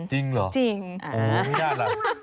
จริงเหรอจริงอ๋อไม่ได้หรอก